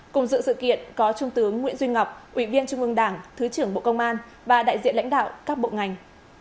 cùng dự sự kiện có trung tướng nguyễn duy ngọc ủy viên trung ương đảng thứ trưởng bộ công an và đại diện lãnh đạo các bộ ngành